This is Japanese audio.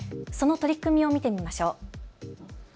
その取り組みを見てみましょう。